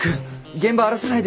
現場荒らさないで。